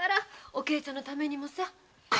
おけいちゃんのためにもさ。